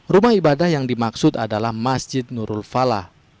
rumah ibadah yang dimaksud adalah masjid nurul falah